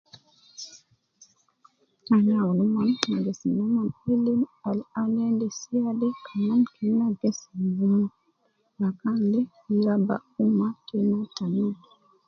Ana awun omon me gesim nomon ilim al ana endis naade Kaman ke ena gesim me omon, bakan de raba umma tena ta nubi